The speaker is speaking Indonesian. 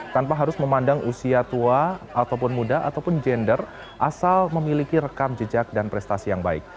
tanpa harus memandang usia tua ataupun muda ataupun gender asal memiliki rekam jejak dan prestasi yang baik